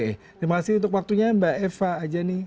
terima kasih untuk waktunya mbak eva ajani